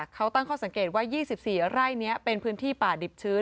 เขาตั้งข้อสังเกตว่า๒๔ไร่นี้เป็นพื้นที่ป่าดิบชื้น